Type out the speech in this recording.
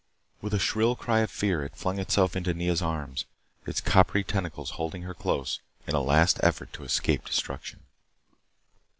With a shrill cry of fear it flung itself into Nea's arms, its coppery tentacles holding her close in a last effort to escape destruction.